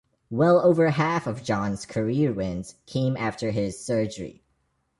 Well over half of John's career wins came after his surgery.